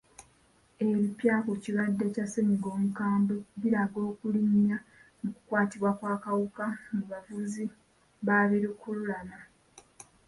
Ebipya ku kirwadde kya ssennyiga omukambwe biraga okulinnya mu kukwatibwa kw'akawuka mu bavuzi ba bi lukululana.